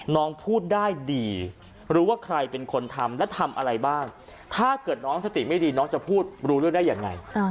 น้องพูดได้ดีรู้ว่าใครเป็นคนทำและทำอะไรบ้างถ้าเกิดน้องสติไม่ดีน้องจะพูดรู้เรื่องได้ยังไง